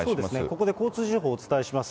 ここで交通情報お伝えします。